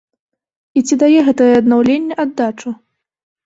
І ці да е гэта е аднаўленне аддачу?